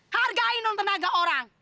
hargain on tenaga orang